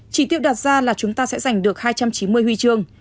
chỉ tiêu đặt ra là chúng ta sẽ giành được hai trăm chín mươi huy chương